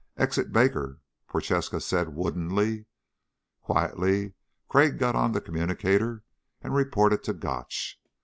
"Exit Baker," Prochaska said woodenly. Quietly Crag got on the communicator and reported to Gotch.